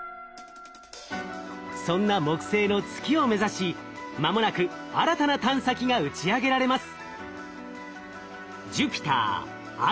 そんな木星の月を目指し間もなく新たな探査機が打ち上げられます。